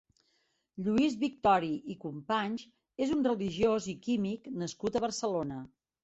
Lluís Victori i Companys és un religiós i químic nascut a Barcelona.